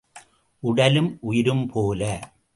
உடலும் உயிரும் போல.